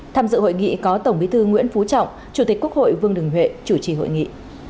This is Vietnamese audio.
tham dự hội nghị có tổng bí thư nguyễn phú trọng chủ tịch quốc hội vương đình huệ chủ trì hội nghị